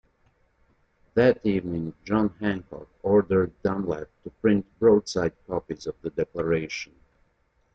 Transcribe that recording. That evening John Hancock ordered Dunlap to print broadside copies of the declaration.